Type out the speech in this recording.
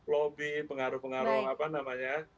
lobby pengaruh pengaruh apa namanya